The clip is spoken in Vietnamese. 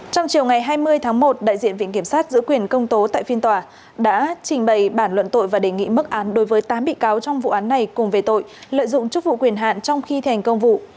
trong chiều ngày hai mươi tháng một đại diện viện kiểm sát giữ quyền công tố tại phiên tòa đã trình bày bản luận tội và đề nghị mức án đối với tám bị cáo trong vụ án này cùng về tội lợi dụng chức vụ quyền hạn trong khi thành công vụ